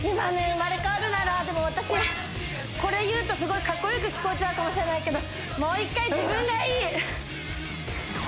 生まれ変わるならでも私これ言うとすごいかっこよく聞こえちゃうかもしれないけどＷｏｎｄｅｒｆｕｌ！